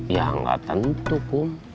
ya nggak tentu kum